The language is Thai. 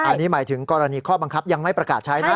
อันนี้หมายถึงกรณีข้อบังคับยังไม่ประกาศใช้นะ